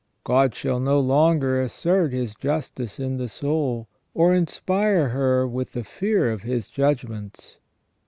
God shall no longer assert His justice in the soul, or inspire her with the fear of His judgments.